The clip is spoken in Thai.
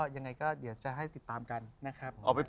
ยังไงก็เดี๋ยวจะให้ติดตามกันนะครับ